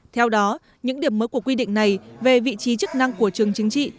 theo đó những điểm mới của quy định này về vị trí chức năng của trường chính trị